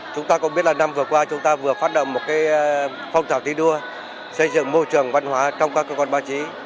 chúng ta cũng biết là năm vừa qua chúng ta vừa phát động một phong trào thi đua xây dựng môi trường văn hóa trong các cơ quan báo chí